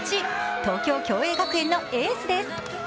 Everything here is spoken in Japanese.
東京共栄学園のエースです。